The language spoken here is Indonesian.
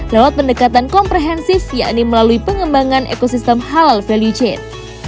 lewat pendekatan komprehensif yakni melalui pengembangan ekosistem halal value chain